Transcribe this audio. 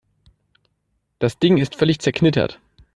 Das Ding ist völlig zerknittert.